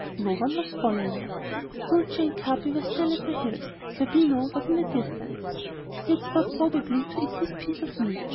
No one was following us. Capi and Dulcie were still at my heels, Zerbino was in the distance. He had stopped probably to eat his piece of meat.